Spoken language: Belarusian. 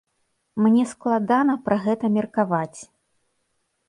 Мне складана пра гэта меркаваць.